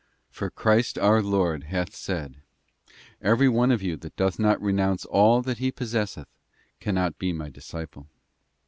For Christ our Lord hath said, 'Every one of you that doth not renounce all that he pos sesseth, cannot be My disciple.